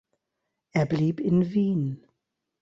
Er blieb in Wien.